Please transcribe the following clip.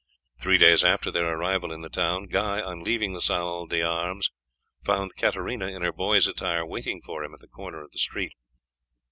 Three days after their arrival in the town Guy, on leaving the salle d'armes, found Katarina in her boy's attire waiting for him at the corner of the street.